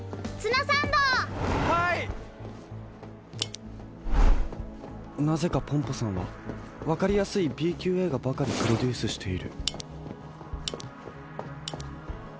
こころのこえなぜかポンポさんはわかりやすいＢきゅうえいがばかりプロデュースしている。